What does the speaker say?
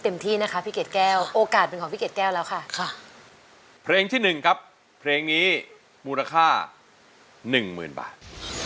ที่นะคะพี่เกดแก้วโอกาสเป็นของพี่เกดแก้วแล้วค่ะเพลงที่หนึ่งครับเพลงนี้มูลค่าหนึ่งหมื่นบาท